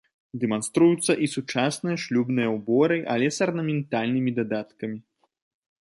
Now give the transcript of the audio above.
Дэманструюцца і сучасныя шлюбныя ўборы, але з арнаментальнымі дадаткамі.